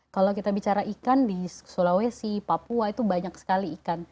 kalau kita bicara ikan di sulawesi papua itu banyak sekali ikan